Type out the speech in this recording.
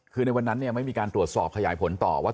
คือในวันนั้นเนี่ยไม่มีการตรวจสอบขยายผลต่อว่า